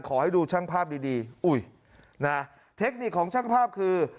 ขอให้ดูช่างภาพดีดีอุ้ยนะเทคนิคของช่างภาพคือ